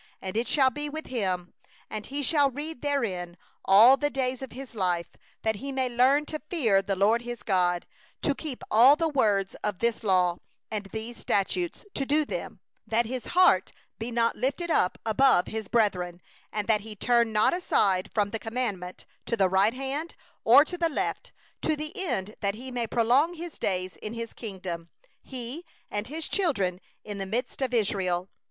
19And it shall be with him, and he shall read therein all the days of his life; that he may learn to fear the LORD his God, to keep all the words of this law and these statutes, to do them; 20that his heart be not lifted up above his brethren, and that he turn not aside from the commandment, to the right hand, or to the left; to the end that he may prolong his days in his kingdom, he and his children, in the midst of Israel.